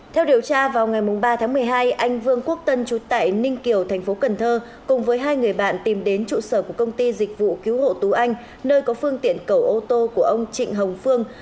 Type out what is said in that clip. theo điều tra vào ngày ba tháng một mươi hai anh vương quốc tân chú tại ninh kiều tp cn cùng với hai người bạn tìm đến trụ sở của công ty dịch vụ cứu hộ tú anh nơi có phương tiện cầu ô tô của ông trịnh hồng phương